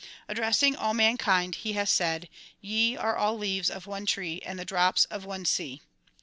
Addressing all mankind he has said "Ye are all leaves of one tree and the drops of one sea."